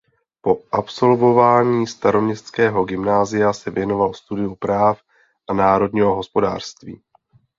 Po absolvování Staroměstského gymnázia se věnoval studiu práv a národního hospodářství.